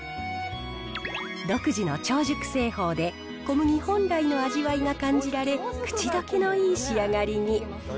独自の超熟製法で、小麦本来の味わいが感じられ、口溶けのいい仕上がりに。